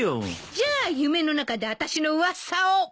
じゃあ夢の中であたしの噂を。